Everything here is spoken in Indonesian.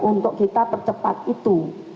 untuk kita percepat itu